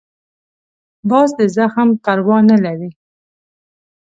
باز د زخم پروا نه لري